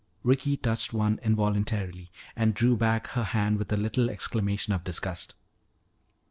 Ricky touched one involuntarily and drew back her hand with a little exclamation of disgust.